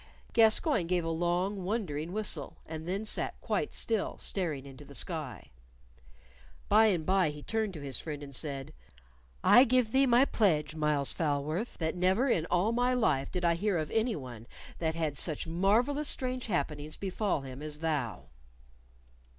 Gascoyne gave a long, wondering whistle, and then sat quite still, staring into the sky. By and by he turned to his friend and said, "I give thee my pledge, Myles Falworth, that never in all my life did I hear of any one that had such marvellous strange happenings befall him as thou."